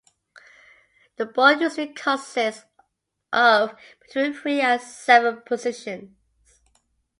The board usually consists of between three and seven positions.